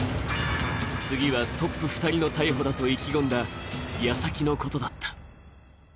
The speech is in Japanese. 次はトップ２人の逮捕だと意気込んだやさきのことだった。